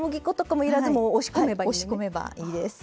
はい押し込めばいいです。